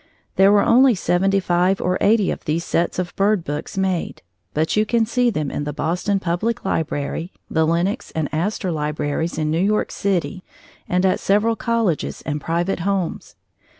There were only seventy five or eighty of these sets of bird books made, but you can see them in the Boston Public Library, the Lenox and Astor libraries in New York city, and at several colleges and private homes.